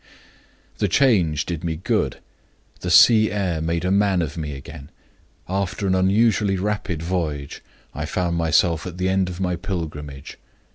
"The change did me good; the sea air made a man of me again. After an unusually rapid voyage, I found myself at the end of my pilgrimage.